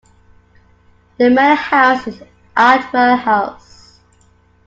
The manor house is Adwell House.